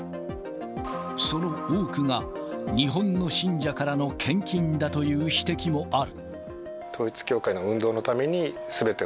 その多くが、日本の信者からの献金だという指摘もある。